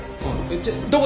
ちょっどこに？